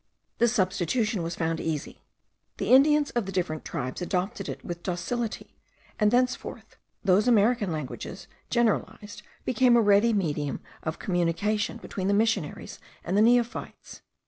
This substitution was found easy: the Indians of the different tribes adopted it with docility, and thenceforward those American languages generalized became a ready medium of communication between the missionaries and the neophytes.